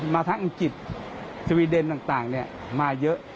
มาทั้งอังกฤษสวีเดนต่างมาเยอะ